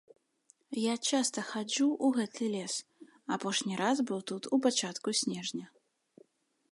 Я часта хаджу ў гэты лес, апошні раз быў тут у пачатку снежня.